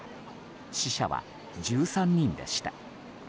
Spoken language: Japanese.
死者は１３人でした。